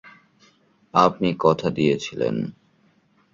আপনি কথা দিয়েছিলেন!